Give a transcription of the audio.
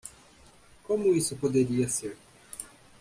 Como isso poderia ser?